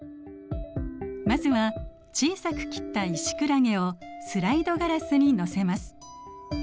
まずは小さく切ったイシクラゲをスライドガラスに載せます。